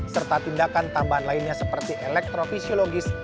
serta tindakan tambahan lainnya seperti elektrofisiologis